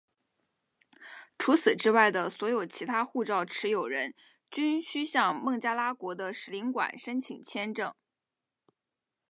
除此之外的所有其他护照持有人均须向孟加拉国的使领馆申请签证。